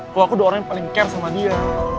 kalau aku udah orang yang paling care sama dia